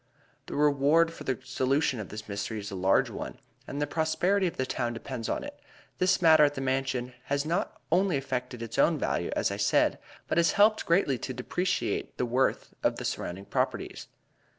"The reward for the solution of this mystery is a large one, and the prosperity of the town depends upon it. This matter at the Mansion has not only affected its own value, as I said, but has helped greatly to depreciate the worth of the surrounding properties."